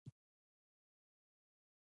ټول هغه مامورین وبخښل.